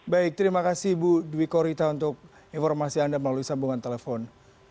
baik terima kasih bu dwi korita untuk informasi anda melalui sambungan telepon